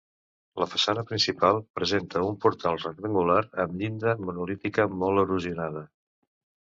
La façana principal presenta un portal rectangular amb llinda monolítica molt erosionada.